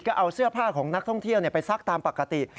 ก็เอาเสื้อผ้าของนักท่องเที่ยวไปซักตามปกติ